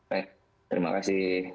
baik terima kasih